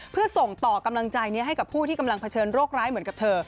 เพื่อส่งต่อกำลังใจนี้ให้กับผู้ที่กำลังเผชิญโรคร้ายเหมือนกับเธอ